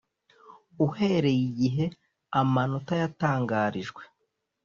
uhereye igihe amanota yatangarijwe,